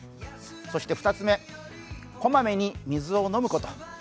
そして２つ目、小まめに水を飲むこと。